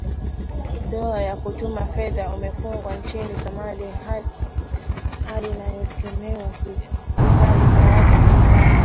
dao wa kutuma fedha umefungwa nchini somalia hali iliyokemewa vikali na watu mbalimbali